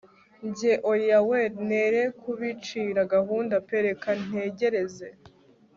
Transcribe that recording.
Njye oyaweee nere kubicira gahunda pe reka ntegereze